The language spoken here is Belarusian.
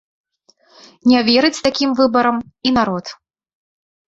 Не верыць такім выбарам і народ.